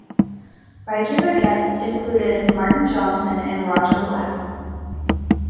Regular guests included Martin Johnson and Roger Black.